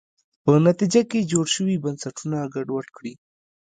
په نتیجه کې جوړ شوي بنسټونه ګډوډ کړي.